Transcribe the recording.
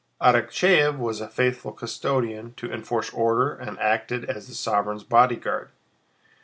Arakchéev was a faithful custodian to enforce order and acted as the sovereign's bodyguard.